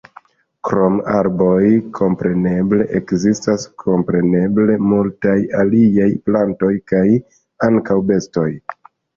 Krom arboj kompreneble ekzistas kompreneble multaj aliaj plantoj kaj ankaŭ bestoj.